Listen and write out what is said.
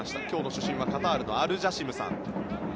今日の主審はカタールのアルジャシムさん。